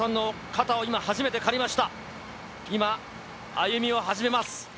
今、歩みを始めます。